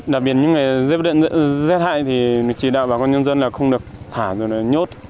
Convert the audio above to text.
đặc biệt những dết hại thì chỉ đạo bà con nhân dân là không được thả rồi là nhốt